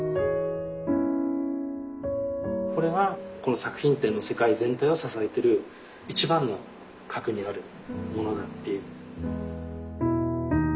これがこの作品展の世界全体を支えてる一番の核にあるものだっていう。